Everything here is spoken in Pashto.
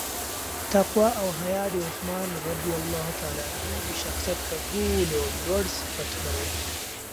تقوا او حیا د عثمان رض د شخصیت تر ټولو لوړ صفتونه وو.